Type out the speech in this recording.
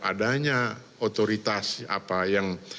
adanya otoritas apa yang